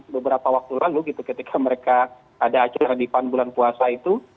beberapa waktu lalu gitu ketika mereka ada acara di pan bulan puasa itu